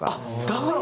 だから？